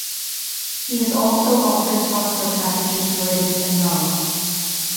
He has also authored software packages related to Bengali.